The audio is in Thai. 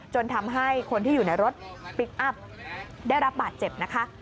จนทำให้คนที่อยู่ในรถพลิกอัพได้รับบาดเจ็บนะคะ